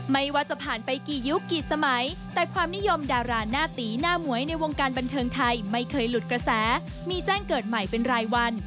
ไม่ว่าจะผ่านไปกี่ยุคกี่สมัยแต่ความนิยมดาราหน้าตีหน้าหมวยในวงการบันเทิงไทยไม่เคยหลุดกระแสมีแจ้งเกิดใหม่เป็นรายวัน